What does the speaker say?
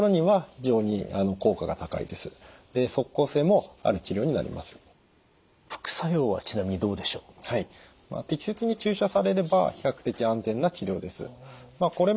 適切に注射されれば比較的安全な治療です。